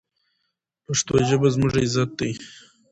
پښتو ژبه زموږ عزت دی.